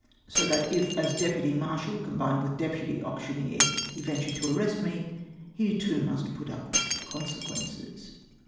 ! So that if, as deputy marshal combined with deputy auctioneer, he ventured to arrest me, he too must put up with the consecjuences.